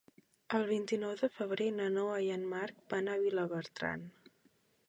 El vint-i-nou de febrer na Noa i en Marc van a Vilabertran.